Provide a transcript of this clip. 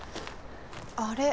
あれ？